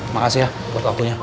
makasih ya buat akunya